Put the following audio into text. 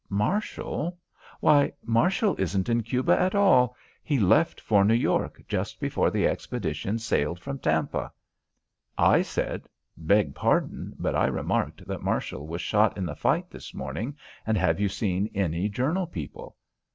Marshall? Why, Marshall isn't in Cuba at all. He left for New York just before the expedition sailed from Tampa." I said: "Beg pardon, but I remarked that Marshall was shot in the fight this morning, and have you seen any Journal people?"